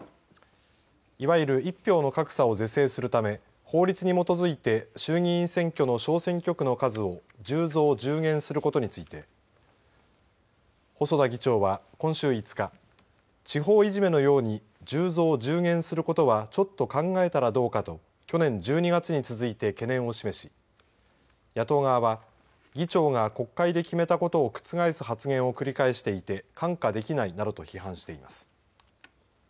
いわゆる一票の格差を是正するため法律に基づいて衆議院選挙の小選挙区の数を１０増１０減することについて細田議長は、今週５日地方いじめのように１０増１０減することはちょっと考えたらどうかと去年１２月に続いて懸念を示し野党側は議長が国会で決めたことを覆す発言を繰り返していて看過できないなどと批判しています。